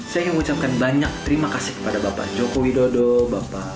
saya ingin mengucapkan banyak terima kasih kepada bapak joko widodo bapak